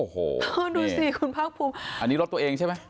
โหดูสิคุณภาพวิบุหรือนี้รถตัวเองใช่ไหม